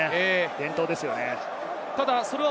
伝統ですよね。